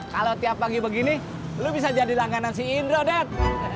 kalau tiap pagi begini lo bisa jadi langganan si indro det